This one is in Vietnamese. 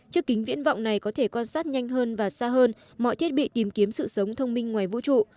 chiếc kính viễn vọng này có thể quan sát nhanh hơn và xa hơn mọi thiết bị tìm kiếm sự sống thông minh ngoài vũ trụ